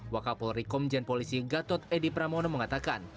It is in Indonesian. wakapol rikomjen polisi gatot edi pramono mengatakan